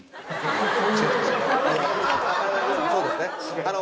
そうですねあの。